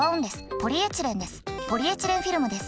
ポリエチレンフィルムです。